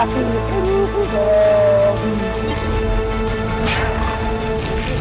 aduh jangan dong